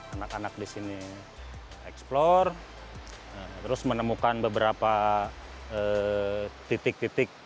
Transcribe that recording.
anak anak di sini eksplor terus menemukan beberapa titik titik